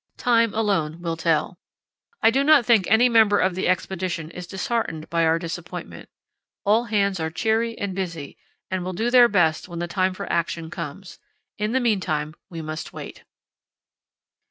Time alone will tell. I do not think any member of the Expedition is disheartened by our disappointment. All hands are cheery and busy, and will do their best when the time for action comes. In the meantime we must wait."